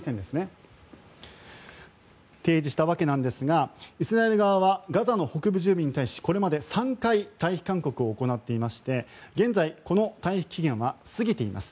これを提示したわけですがイスラエル側はガザの北部住民に対してこれまで３回、退避勧告を行っていまして現在、退避期限は過ぎています。